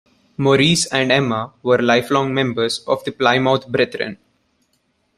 Maurice and Emma were lifelong members of the Plymouth Brethren.